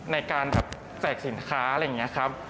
ในการแบบแจกสินค้าอะไรอย่างนี้ครับ